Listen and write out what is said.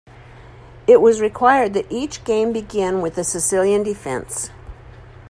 It was required that each game begin with the Sicilian Defense.